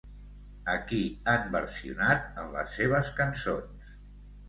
A qui han versionat en les seves cançons?